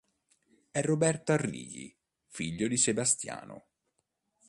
È Roberto Arrighi, figlio di Sebastiano.